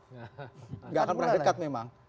tidak akan pernah dekat memang